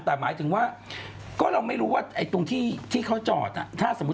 แต่หมายถึงว่าก็เราไม่รู้ว่าไอ้ตรงที่เขาจอดถ้าสมมุติ